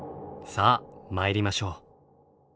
さあ参りましょう。